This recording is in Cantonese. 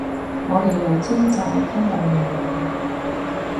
我哋由朝早傾到夜晚